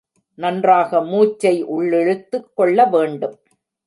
நன்றாக மூச்சை உள்ளிழுத்துக் கொள்ள வேண்டும்.